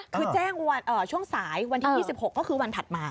คือแจ้งช่วงสายวันที่๒๖ก็คือวันถัดมา